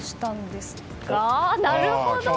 なるほど！